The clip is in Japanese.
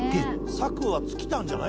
策は尽きたんじゃない？